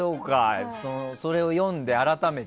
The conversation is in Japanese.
それを読んで改めて。